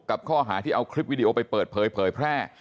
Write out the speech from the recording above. กับข้อหาที่เอาคลิปวิดีโอไปเปิดเผยแพร่